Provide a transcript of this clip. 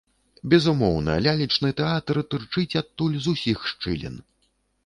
Безумоўна, лялечны тэатр тырчыць адтуль з усіх шчылін!